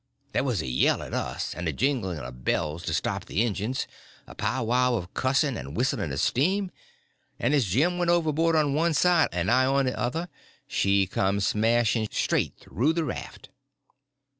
There was a yell at us, and a jingling of bells to stop the engines, a powwow of cussing, and whistling of steam—and as Jim went overboard on one side and I on the other, she come smashing straight through the raft.